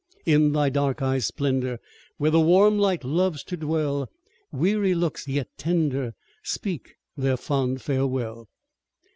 In thy dark eyes' splendor, where the warm light loves to dwell, Weary looks yet tender, speak their fond farewell.